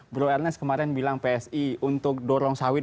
bro ernest kemarin bilang psi untuk dorong sawit